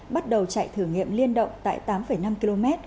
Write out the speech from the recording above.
bắt đầu chạy thử nghiệm liên động tại tám năm km